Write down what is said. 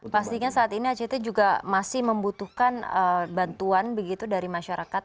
pastinya saat ini act juga masih membutuhkan bantuan begitu dari masyarakat